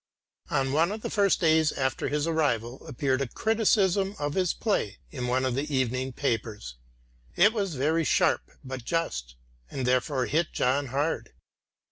On one of the first days after his arrival appeared a criticism of his play in one of the evening papers. It was very sharp but just, and therefore hit John hard.